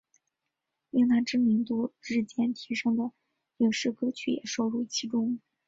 令她知名度日渐提升的影视歌曲也收录其中。